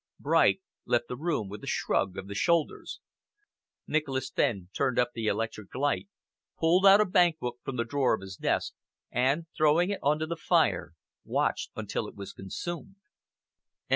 Bright left the room with a shrug of the shoulders. Nicholas Fenn turned up the electric light, pulled out a bank book from the drawer of his desk, and, throwing it on to the fire, watched it until it was consumed.